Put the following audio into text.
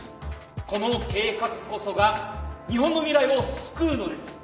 この計画こそが日本の未来を救うのです。